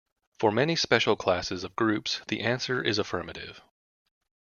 For many special classes of groups, the answer is affirmative.